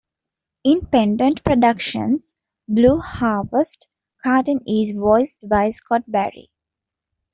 In Pendant Productions' "Blue Harvest", Katarn is voiced by Scott Barry.